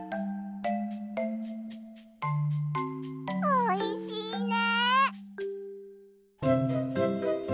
おいしいね！